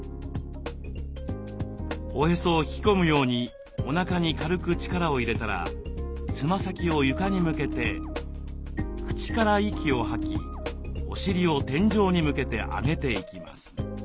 おへそを引き込むようにおなかに軽く力を入れたらつま先を床に向けて口から息を吐きお尻を天井に向けて上げていきます。